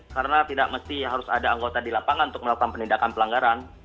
karena tidak mesti harus ada anggota di lapangan untuk melakukan penindakan pelanggaran